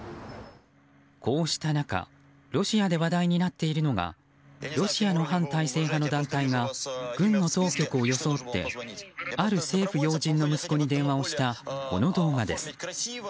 こうした中ロシアで話題になっているのがロシアの反体制派の団体が軍の当局を装ってある政府要人の息子に電話をしたこの動画です。